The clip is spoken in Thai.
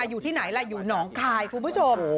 อยู่ที่ไหนล่ะอยู่หนองคายคุณผู้ชม